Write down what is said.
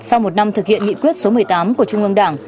sau một năm thực hiện nghị quyết số một mươi tám của trung ương đảng